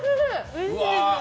おいしい！